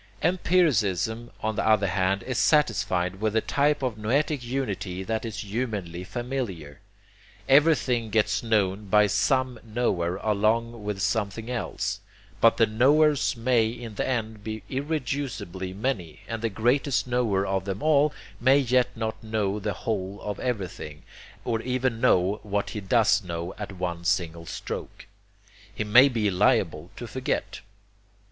Empiricism on the other hand is satisfied with the type of noetic unity that is humanly familiar. Everything gets known by SOME knower along with something else; but the knowers may in the end be irreducibly many, and the greatest knower of them all may yet not know the whole of everything, or even know what he does know at one single stroke: he may be liable to forget.